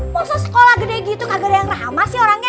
puasa sekolah gede gitu kagak ada yang ramah sih orangnya